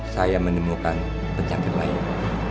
saya menemukan penyakit lain